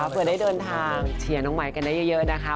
เผื่อได้เดินทางเชียร์น้องไม้กันได้เยอะนะคะ